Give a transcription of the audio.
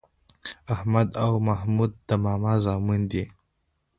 احمد او محمود د ماما زامن دي.